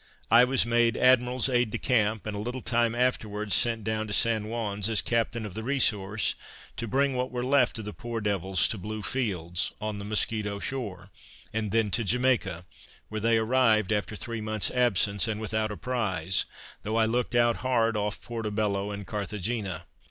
I was made admiral's aid de camp, and a little time afterwards sent down to St. Juan's as captain of the Resource, to bring what were left of the poor devils to Blue Fields, on the Musquito shore, and then to Jamaica, where they arrived after three month's absence, and without a prize, though I looked out hard off Porto Bello and Carthagena.